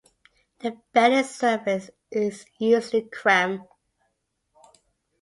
The belly surface is usually creme.